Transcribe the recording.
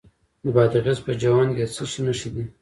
د بادغیس په جوند کې د څه شي نښې دي؟